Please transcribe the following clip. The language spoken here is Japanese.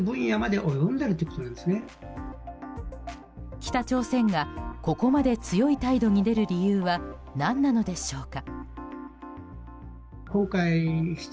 北朝鮮がここまで強い態度に出る理由は何なのでしょうか。